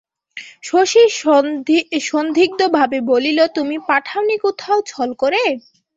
শশী সন্দিগ্ধভাবে বলিল, তুমি পাঠাওনি কোথাও, ছল করে?